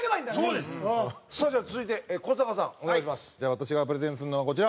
私がプレゼンするのはこちら。